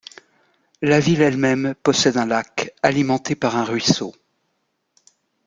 La ville elle-même possède un lac, alimenté par un ruisseau.